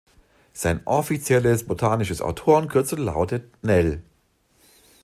Sein offizielles botanisches Autorenkürzel lautet „Nel“.